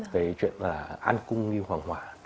về chuyện là ăn cung như hoàng hòa